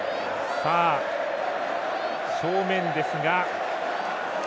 正面ですが。